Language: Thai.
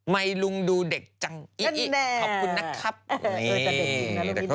ไมลุงดูเด็กจังอี้ขอบคุณนะครับ